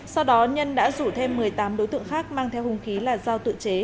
sau đó nhân đã rủ thêm một mươi tám đối tượng khác mang theo hùng khí là giao tự chế